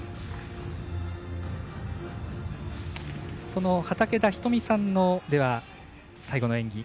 その畠田瞳さんの最後の演技。